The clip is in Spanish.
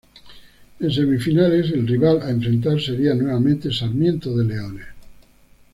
En semifinales el rival a enfrentar seria nuevamente Sarmiento de Leones.